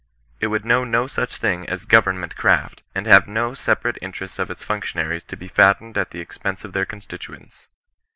It would know no such thing as government craft, and have no separate interests of its functionaries to be fattened at the ex pense of their constituents.